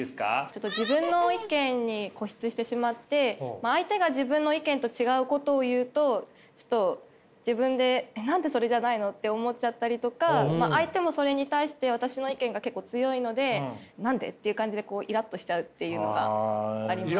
ちょっと自分の意見に固執してしまって相手が自分の意見と違うことを言うとちょっと自分で何でそれじゃないの？って思っちゃったりとか相手もそれに対して私の意見が結構強いので何で？っていう感じでイラッとしちゃうっていうのがあります。